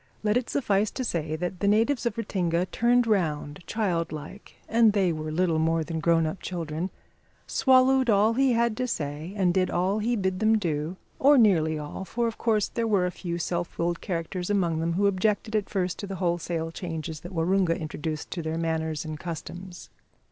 Let it suffice to say that the natives of Ratinga turned round, childlike and they were little more than grown up children swallowed all he had to say and did all he bid them do or nearly all, for of course there were a few self willed characters among them who objected at first to the wholesale changes that Waroonga introduced in their manners and customs.